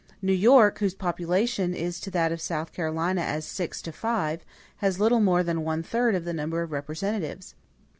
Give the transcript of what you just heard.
New York, whose population is to that of South Carolina as six to five, has little more than one third of the number of representatives.